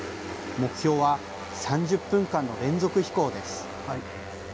目標は３０分間の連続飛行です。